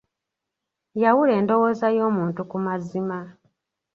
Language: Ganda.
Yawula endowooza y'omuntu ku mazima.